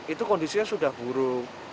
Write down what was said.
itu kondisinya sudah buruk